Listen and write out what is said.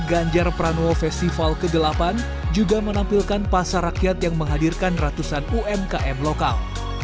ganjar pranowo festival ke delapan juga menampilkan pasar rakyat yang menghadirkan ratusan umkm lokal